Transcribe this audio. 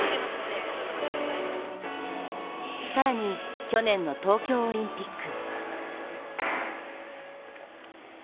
更に、去年の東京オリンピック。